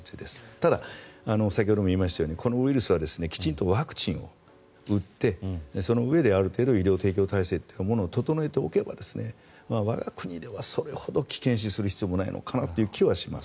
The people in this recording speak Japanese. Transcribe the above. ただ、先ほども言いましたようにこのウイルスはきちんとワクチンを打ってそのうえである程度医療提供体制を整えておけば我が国ではそれほど危険視する必要はないのかなという気はします。